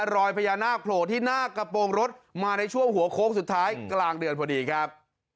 รอยพญานาคโผล่ที่หน้ากระโปรงรถมาในช่วงหัวโค้งสุดท้ายกลางเดือนพอดีครับ